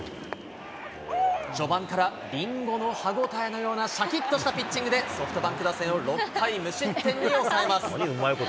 序盤からりんごの歯応えのようなしゃきっとしたピッチングで、ソフトバンク打線を６回無失点に抑えます。